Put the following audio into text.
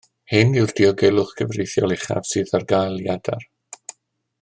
Hyn yw'r diogelwch cyfreithiol uchaf sydd ar gael i adar